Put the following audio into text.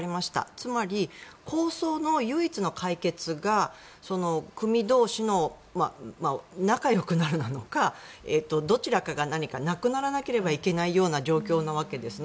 つまり抗争の唯一の解決が組同士の仲よくなるなのかどちらかがなくならなければいけないような状況なわけですよね。